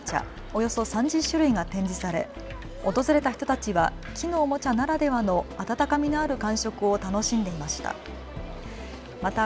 およそ３０種類が展示され訪れた人たちは木のおもちゃならではの温かみのある感触を楽しんでいました。